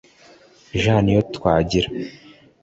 Jean Niyotwagira